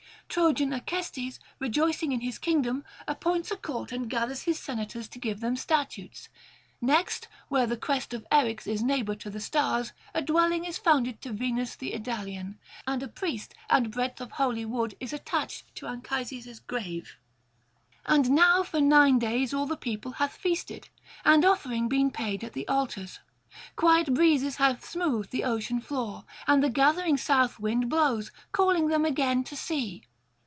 Trojan Acestes, rejoicing in his kingdom, appoints a court and gathers his senators to give them statutes. Next, where the crest of Eryx is neighbour to the stars, a dwelling is founded to Venus the Idalian; [761 793]and a priest and breadth of holy wood is attached to Anchises' grave. And now for nine days all the people hath feasted, and offering been paid at the altars; quiet breezes have smoothed the ocean floor, and the gathering south wind blows, calling them again to sea.